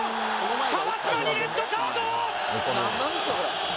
川島にレッドカード！